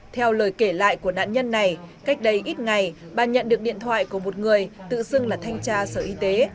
theo lời kể lại của nạn nhân này cách đây ít ngày bà nhận được điện thoại của một người tự xưng là thanh tra sở y tế